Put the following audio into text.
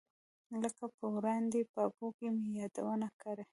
لکه په وړاندې پاڼو کې مې یادونه کړې.